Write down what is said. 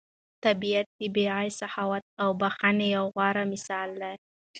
طبیعت د بې غایه سخاوت او بښنې یو غوره مثال دی.